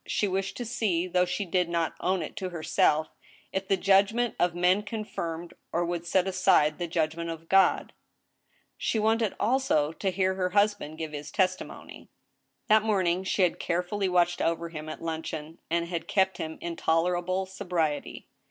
She wished to see, though she did not own it to herself, if the judg ment of men confirmed, or would set aside, the judgment of God. She wanted, also, to hear her husband give his testimony. That morning she had carefully watched over him at luncheon, and had kept him in tolerable sobriety.